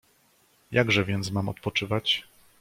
"Jakże więc mam odpoczywać?"